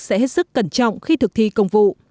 sẽ hết sức cẩn trọng khi thực thi công vụ